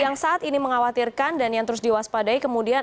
yang saat ini mengkhawatirkan dan yang terus diwaspadai kemudian